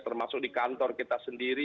termasuk di kantor kita sendiri